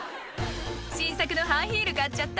「新作のハイヒール買っちゃった」